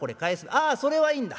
「ああそれはいいんだ。